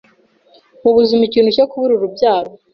Mu buzima ikintu cyo kubura urubyaro